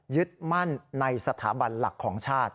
ยึดมั่นในสถาบันหลักของชาติ